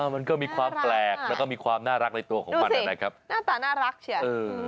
มันก็มีความแปลกแล้วก็มีความน่ารักในตัวของมันนะครับหน้าตาน่ารักเชียว